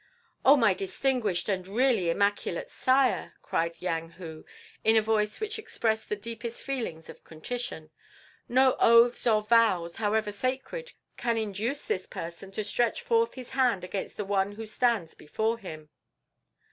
"Oh, my distinguished and really immaculate sire!" cried Yang Hu, in a voice which expressed the deepest feelings of contrition. "No oaths or vows, however sacred, can induce this person to stretch forth his hand against the one who stands before him."